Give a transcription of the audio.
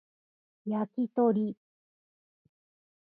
焼き鳥